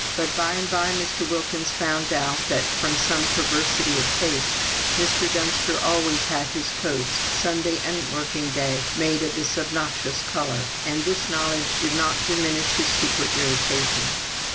But by and by Mr. Wilkins found out that, from some perversity of taste, Mr. Dunster always had his coats, Sunday and working day, made of this obnoxious colour; and this knowledge did not diminish his secret irritation.